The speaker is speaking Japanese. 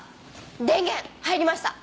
電源入りました！